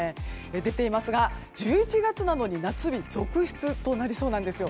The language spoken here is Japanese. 出ていますが、１１月なのに夏日続出となりそうなんですよ。